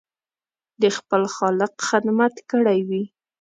د خپل خالق خدمت کړی وي.